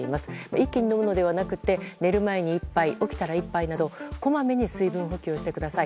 一気に飲むのではなくて寝る前に１杯、起きたら１杯などこまめに水分補給してください。